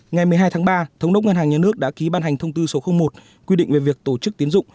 ngày một mươi hai tháng ba thống đốc ngân hàng nhà nước đã ký ban hành thông tư số một quy định về việc tổ chức tiến dụng